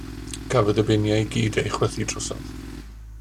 Cafodd y biniau i gyd eu chwythu drosodd.